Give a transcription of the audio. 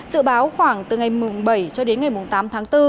dự báo khoảng từ ngày bảy cho đến ngày tám tháng bốn